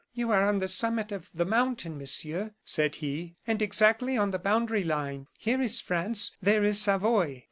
"You are on the summit of the mountain, Monsieur," said he; "and exactly on the boundary line. Here is France; there is Savoy."